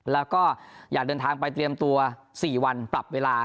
แล้วก็อยากเดินทางไปเตรียมตัว๔วันปรับเวลา